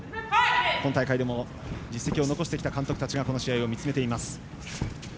今大会でも実績を残してきた監督たちがこの試合を見つめています。